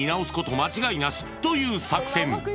間違いなしという作戦